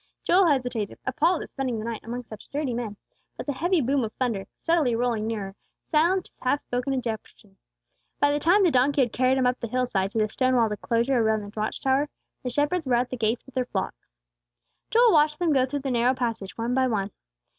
Joel hesitated, appalled at spending the night among such dirty men; but the heavy boom of thunder, steadily rolling nearer, silenced his half spoken objection. By the time the donkey had carried him up the hillside to the stone walled enclosure round the watch tower, the shepherds were at the gates with their flocks. Joel watched them go through the narrow passage, one by one.